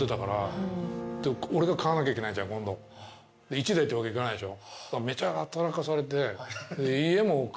１台っていうわけいかないでしょ。